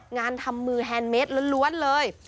งานทำมือแฮนดเมสล้วนเลย